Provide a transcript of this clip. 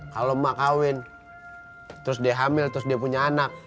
kalau mau kawin terus dia hamil terus dia punya anak